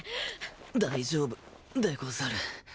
大丈夫でござる。